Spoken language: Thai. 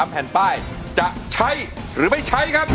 แผ่นป้ายจะใช้หรือไม่ใช้ครับ